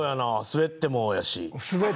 滑ってもやし。